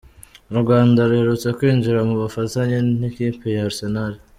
U Rwanda ruherutse kwinjira mu bufatanye n’ikipe ya Arsenal